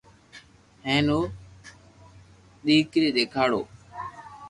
ھين ھون ڊ ڪري ديکاڙو